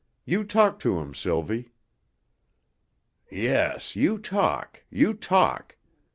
"You talk to him, Sylvie." "Yes, you talk you talk.